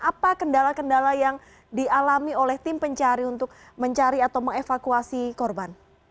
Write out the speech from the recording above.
apa kendala kendala yang dialami oleh tim pencari untuk mencari atau mengevakuasi korban